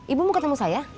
ibu mau ketemu saya